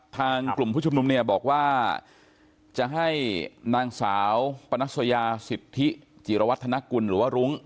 ทางกลุ่มผู้ชุมนุมเนี่ยบอกว่าจะให้นางสาวปนัสยาสิทธิจิรวัฒนกุลหรือว่ารุ้ง